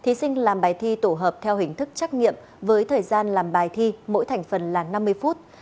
thí sinh làm bài thi tổ hợp theo hình thức trắc nghiệm với thời gian làm bài thi mỗi thành phần là năm mươi phút